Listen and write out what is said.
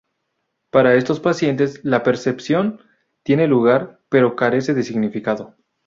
Para estos pacientes, la percepción tiene lugar, pero carece de significado.